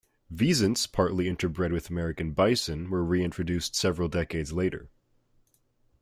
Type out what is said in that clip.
Wisents partly interbred with American bison were reintroduced several decades later.